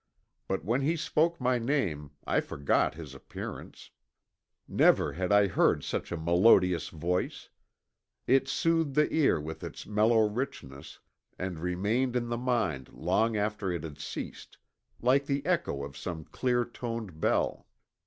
But when he spoke my name I forgot his appearance. Never had I heard such a melodious voice. It soothed the ear with its mellow richness and remained in the mind long after it had ceased, like the echo of some clear toned bell.